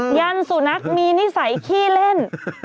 ยันสุนัขมีนิสัยขี้เล่น